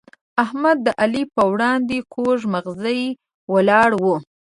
احمد د علي پر وړاندې کوږ مغزی ولاړ وو.